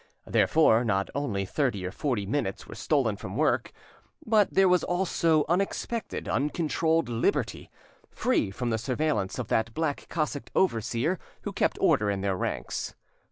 Therefore not only thirty or forty minutes were stolen from work, but there was also unexpected, uncontrolled liberty, free from the surveillance of that black cassocked overseer who kept order in their ranks.